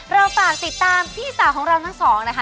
เราฝากติดตามพี่สาวของเราทั้งสองนะคะ